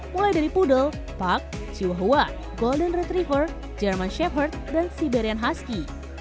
mulai dari poodle pug chihuahua golden retriever german shepherd dan siberian husky